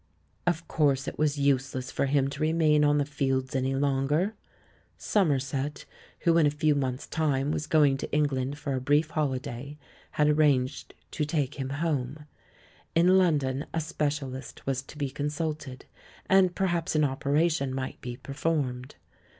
Of course it was useless for him to remain on the Fields any longer. Somerset, who in a few months' time was going to England for a brief holiday, had arranged to take him home ; in Lon don a specialist was to be consulted, and perhaps an operation might be performed.